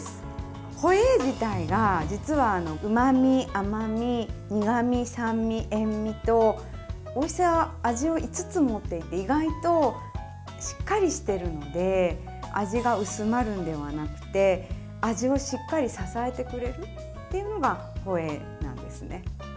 ホエー自体が実はうまみ、甘み苦み、酸味、塩みとおいしさ、味を５つ持っていて意外としっかりしてるので味が薄まるのではなくて味をしっかり支えてくれるっていうのがホエーなんですね。